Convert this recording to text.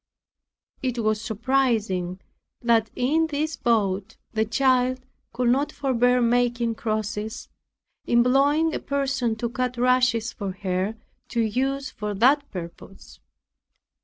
It was surprising that in this boat the child could not forbear making crosses, employing a person to cut rushes for her to use for that purpose.